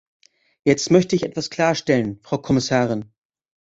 Jetzt möchte ich etwas klarstellen, Frau Kommissarin.